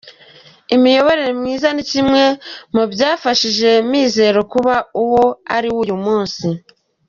Imiyoborere myiza ni kimwe mu byafashije Mizero kuba uwo ari uyu munsi.